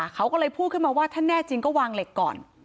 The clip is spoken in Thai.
เขาก็เลยพูดขึ้นมาว่าถ้าแน่จริงก็วางเหล็กก่อน